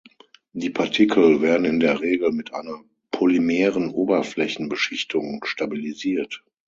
Die Partikel werden in der Regel mit einer polymeren Oberflächenbeschichtung stabilisiert.